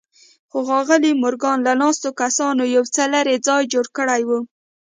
خو ښاغلي مورګان له ناستو کسانو يو څه لرې ځای جوړ کړی و.